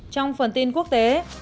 trong phần tin quốc tế